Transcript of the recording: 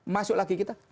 masuk lagi kita